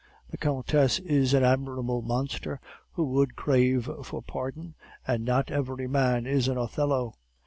The countess is an admirable monster who would crave for pardon, and not every man is an Othello.